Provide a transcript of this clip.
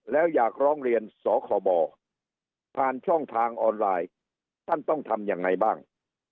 แล้วอยากร้องเรียนสคบผ่านช่องทางออนไลน์ท่านต้องทำยังไงบ้าง